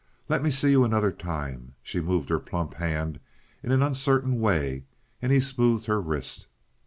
Let me see you another time." She moved her plump hand in an uncertain way, and he smoothed her wrist.